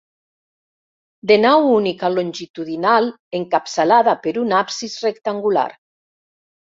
De nau única longitudinal encapçalada per un absis rectangular.